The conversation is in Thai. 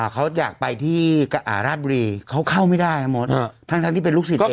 เขาอยากไปที่ราชบุรีเขาเข้าไม่ได้นะมดทั้งที่เป็นลูกศิษย์เอง